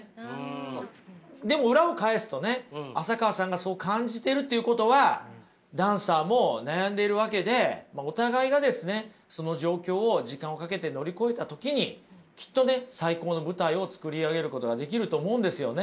でも裏を返すとね浅川さんがそう感じてるっていうことはダンサーも悩んでいるわけでお互いがですねその状況を時間をかけて乗り越えた時にきっとね最高の舞台を作り上げることができると思うんですよね。